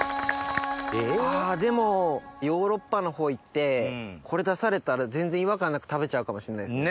あでもヨーロッパのほう行ってこれ出されたら全然違和感なく食べちゃうかもしんないです。